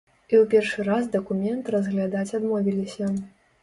І ў першы раз дакумент разглядаць адмовіліся.